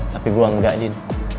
tapi gue enggak din